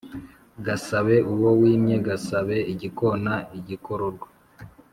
gasabe uwo wimye; gasabe igikona igikororwa;